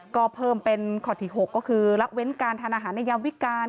ก็เพิ่มเป็นข้อที่๖ก็คือละเว้นการทานอาหารในยามวิการ